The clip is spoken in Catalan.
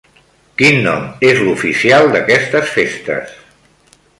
Quin nom és l'oficial d'aquestes festes?